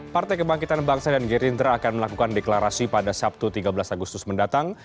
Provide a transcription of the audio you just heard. partai kebangkitan bangsa dan gerindra akan melakukan deklarasi pada sabtu tiga belas agustus mendatang